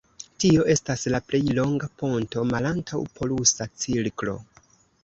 Tio estas la plej longa ponto malantaŭ polusa cirklo.